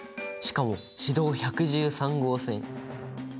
しかも市道１１３号線。